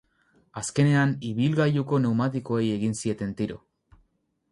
Azkenean, ibilgailuko pneumatikoei egin zieten tiro.